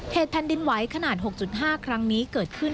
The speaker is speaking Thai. แผ่นดินไหวขนาด๖๕ครั้งนี้เกิดขึ้น